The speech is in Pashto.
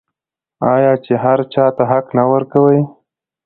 آیا چې هر چا ته حق نه ورکوي؟